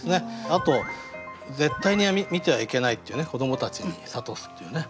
あと絶対に見てはいけないっていう子どもたちに諭すっていうね。